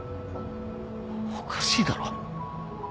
おかしいだろ。